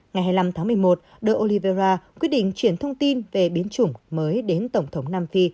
ngày hai mươi năm tháng một mươi một de olivera quyết định chuyển thông tin về biến chủng mới đến tổng thống nam phi